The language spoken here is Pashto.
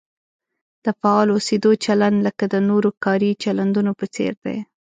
د فعال اوسېدو چلند لکه د نورو کاري چلندونو په څېر دی.